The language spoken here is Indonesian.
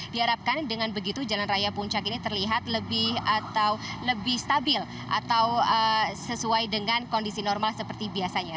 diharapkan dengan begitu jalan raya puncak ini terlihat lebih atau lebih stabil atau sesuai dengan kondisi normal seperti biasanya